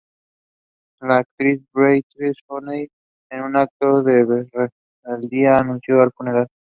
La actriz Brigitte Horney, en un acto de rebeldía, acudió al funeral.